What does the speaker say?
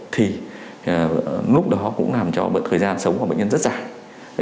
thì lúc đó cũng làm cho thời gian sống của bệnh nhân rất dài